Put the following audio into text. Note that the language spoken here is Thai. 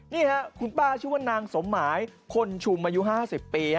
นี่ค่ะคุณป้าชื่อว่านางสมหมายคนชุมอายุ๕๐ปี